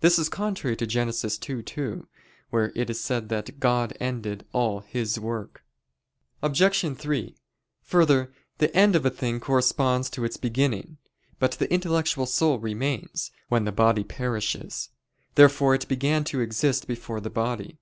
This is contrary to Gen. 2:2, where it is said that "God ended" all "His work." Obj. 3: Further, the end of a thing corresponds to its beginning. But the intellectual soul remains, when the body perishes. Therefore it began to exist before the body.